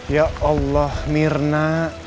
ya allah mirna